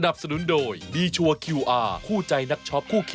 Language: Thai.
โปรดติดตามตอนต่อไป